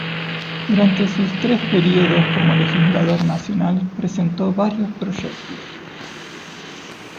Durante sus tres períodos como legislador nacional presentó varios proyectos.